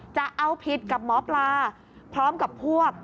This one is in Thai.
จะเอาผิดกับหมอปลาพร้อมกับพวก